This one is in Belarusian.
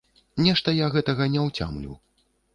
Нешта я гэтага не ўцямлю.